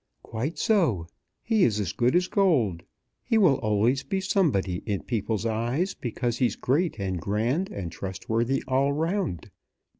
"Quite so. He's as good as gold. He will always be somebody in people's eyes because he's great and grand and trustworthy all round.